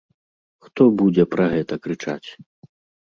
Хто будзе пра гэта крычаць?